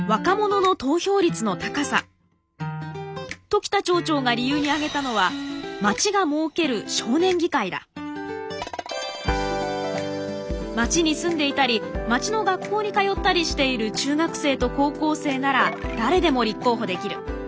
時田町長が理由に挙げたのは町が設ける町に住んでいたり町の学校に通ったりしている中学生と高校生なら誰でも立候補できる。